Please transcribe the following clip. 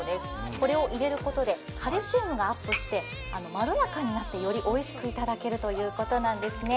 これを入れることでカルシウムがアップしてまろやかになってよりおいしくいただけるということなんですね。